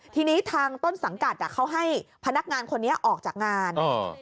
ทีนี้ทางต้นสังกัดอ่ะเขาให้พนักงานคนนี้ออกจากงานเออ